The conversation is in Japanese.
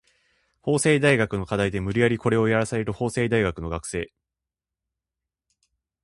法政大学の課題で無理やりコレをやらされる法政大学の学生